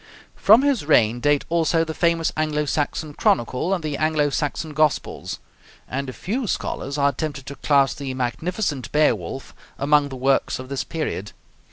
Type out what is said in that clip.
From his reign date also the famous Anglo Saxon Chronicle and the Anglo Saxon Gospels; and a few scholars are tempted to class the magnificent 'Beowulf' among the works of this period.